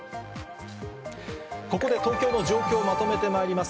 ここで東京の状況、まとめてまいります。